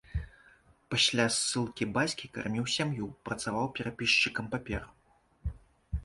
Пасля ссылкі бацькі карміў сям'ю, працаваў перапісчыкам папер.